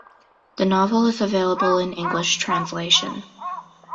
The novel is available in English translation.